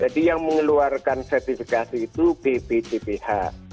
jadi yang mengeluarkan sertifikasi itu bpcph